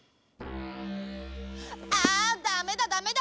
あダメだダメだ！